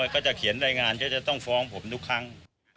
ก็จะเขียนรายงานจะต้องฟ้องผมทุกครั้ง